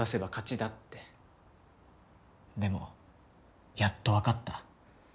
でもやっと分かった。